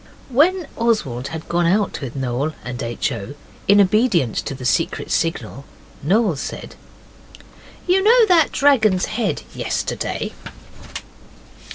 When Oswald had gone out with Noel and H. O. in obedience to the secret signal, Noel said 'You know that dragon's head yesterday?